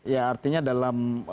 ya artinya dalam